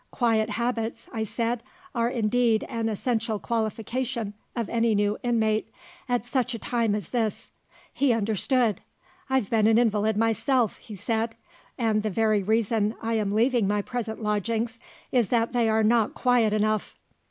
Quiet habits (I said) are indeed an essential qualification of any new inmate, at such a time as this. He understood. 'I've been an invalid myself' (he said); 'and the very reason I am leaving my present lodgings is that they are not quiet enough.